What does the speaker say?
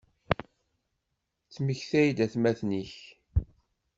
Ttmektay-d atmaten-ik.